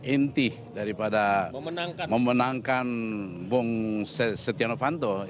inti daripada memenangkan bung sotiano fanto